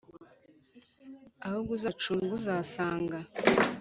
ahubwo uzacunge uzasanga